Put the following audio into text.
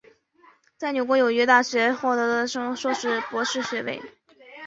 在美国纽约大学获得国际经营学硕士博士学位。